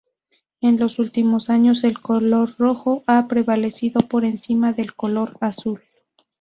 En los últimos años, el color rojo ha prevalecido por encima del color azul.